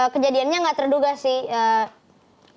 kejadiannya gak terduga sih